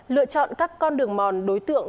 lựa chọn các con đường mòn đối tượng